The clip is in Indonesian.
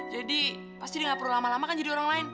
jadi pasti dia gak perlu lama lama kan jadi orang lain